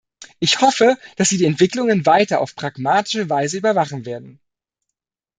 Ich hoffe, dass Sie die Entwicklungen weiter auf pragmatische Weise überwachen werden.